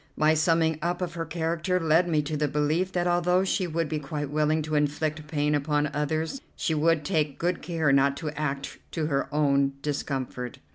My summing up of her character led me to the belief that although she would be quite willing to inflict pain upon others, she would take good care not to act to her own discomfort.